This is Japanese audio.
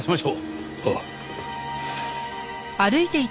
ああ。